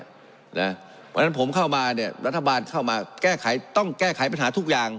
เพราะฉะนั้นผมเข้ามาเนี่ยรัฐบาลเข้ามาแก้ไขต้องแก้ไขปัญหาทุกอย่าง